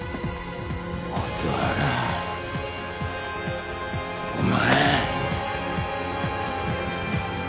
蛍原お前。